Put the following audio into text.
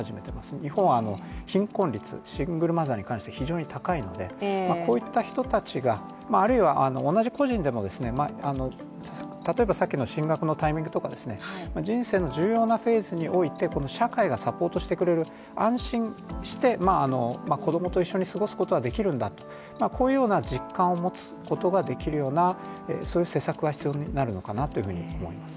日本は貧困率、シングルマザーに関して非常に高いのでこういった人たちが、あるいは同じ個人でも例えばさっきの進学のタイミングとか人生の重要なフェーズにおいて社会がサポートしてくれる、安心して子供と一緒に過ごすことができるんだこういうような実感を持つことができるようなそういう施策が必要になるのかなと思います。